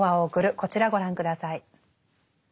こちらご覧下さい。